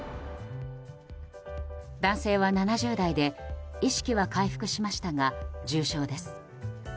男性は７０代で意識は回復しましたが重傷です。